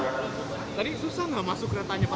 tadi susah nggak masuk keretanya pak